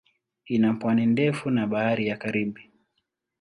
Ina pwani ndefu na Bahari ya Karibi.